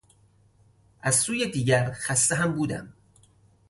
از سوی دیگر خسته هم بودم.